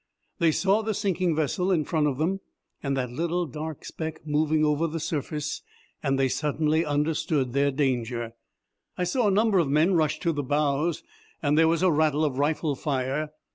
They saw the sinking vessel in front of them and that little dark speck moving over the surface, and they suddenly understood their danger. I saw a number of men rush to the bows, and there was a rattle of rifle fire.